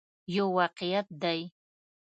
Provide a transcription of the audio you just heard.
یو واقعیت دی.